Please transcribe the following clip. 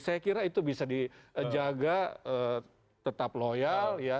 saya kira itu bisa dijaga tetap loyal ya